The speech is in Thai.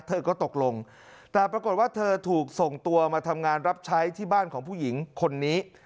เธอก็ตกลงแต่ปรากฏว่าเธอถูกส่งตัวมาทำงานรับใช้ที่บ้านของผู้หญิงคนนี้